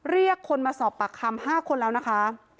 เรียกคนมาสอบปากคำ๕คนแล้วนะคะ